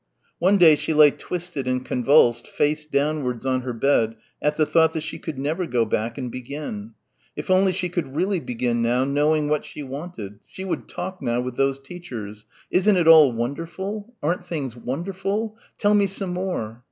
One day she lay twisted and convulsed, face downwards on her bed at the thought that she could never go back and begin. If only she could really begin now, knowing what she wanted.... She would talk now with those teachers.... Isn't it all wonderful! Aren't things wonderful! Tell me some more....